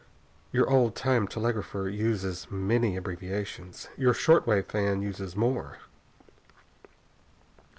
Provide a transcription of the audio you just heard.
Your old time telegrapher uses many abbreviations. Your short wave fan uses more.